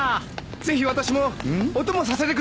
・ぜひ私もお供させてください。